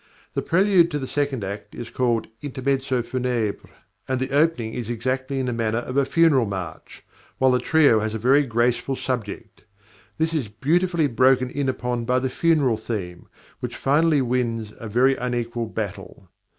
The prelude to the second act is called "Intermezzo Funèbre," and the opening is exactly in the manner of a funeral march, while the trio has a very graceful subject. This is beautifully broken in upon by the funeral theme, which finally wins a very unequal battle.